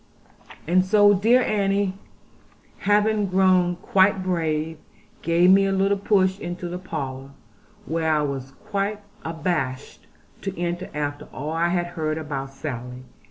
And so dear Annie, having grown quite brave, gave me a little push into the parlour, where I was quite abashed to enter after all I had heard about Sally.